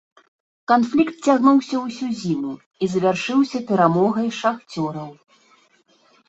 Канфлікт цягнуўся ўсю зіму і завяршыўся перамогай шахцёраў.